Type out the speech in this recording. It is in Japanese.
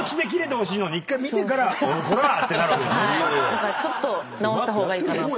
だからちょっと直した方がいいかなと。